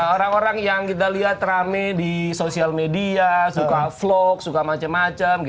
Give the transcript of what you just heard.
orang orang yang kita lihat rame di sosial media suka vlog suka macam macam